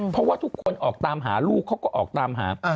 เพราะว่าทุกคนออกตามหาลูกเขาก็ออกตามหา